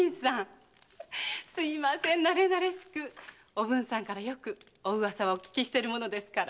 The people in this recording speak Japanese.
おぶんさんからよくお噂はお聞きしてるものですから。